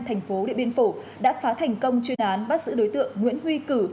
thành phố điện biên phổ đã phá thành công truy nãn bắt giữ đối tượng nguyễn huy cử